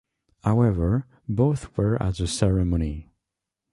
However, both were at the ceremony.